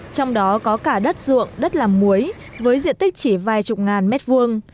trong đó có cả đất ruộng đất làm muối với diện tích chỉ vài chục ngàn mét vuông